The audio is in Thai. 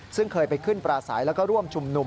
ซึ่งเคยไปขึ้นปลาใสแล้วก็ร่วมชุมนุม